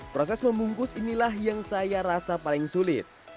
proses membungkus inilah yang saya rasa paling sulit